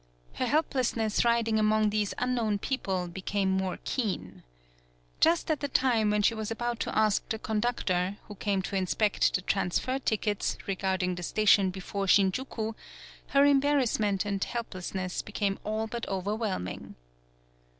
Her helpless ness riding among these unknown peo ple became more keen. Just at the time 83 PAULOWNIA when she was about to ask the con ductor, who came to inspect the trans fer tickets, regarding the station before Shinjuku, her embarrassment and helplessness became all but overwhelm ing.